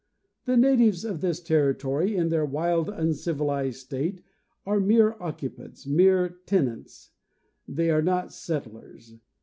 The natives of this territory in their wild, uncivilized state are mere occupants, mere tenants; they are not settlers.